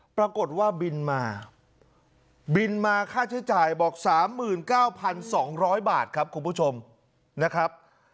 ปรากฏว่าบินมาบินมาค่าใช้จ่ายบอกสามหมื่นเก้าพันสองร้อยบาทครับคุณผู้ชมนะครับ